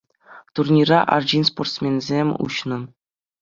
Турнира арҫын-спортсменсем уҫнӑ.